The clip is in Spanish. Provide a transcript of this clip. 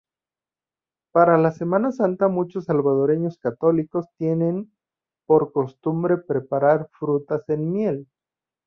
Para la Semana Santa muchos salvadoreños católicos tienen por costumbre preparar frutas en miel.